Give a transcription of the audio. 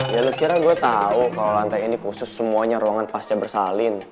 ya lo kira gue tau kalau lantai ini khusus semuanya ruangan pas gak bersalin